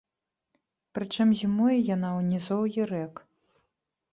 Прычым зімуе яна ў нізоўі рэк.